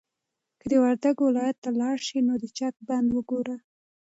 که د وردګو ولایت ته لاړ شې نو د چک بند وګوره.